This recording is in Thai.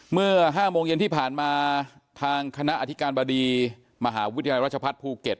เมื่อ๕โมงเย็นที่ผ่านมาทางคณะอธิการบดีมหาวิทยาลัยราชพัฒน์ภูเก็ต